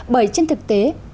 bởi trên thực tế